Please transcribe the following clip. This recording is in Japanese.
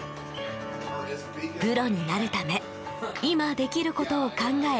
プロになるため今できることを考え